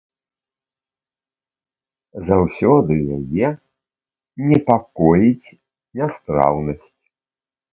Заўсёды яе непакоіць нястраўнасць.